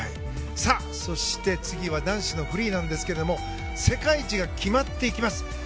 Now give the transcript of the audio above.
そして次は男子フリーですが世界一が決まっていきます。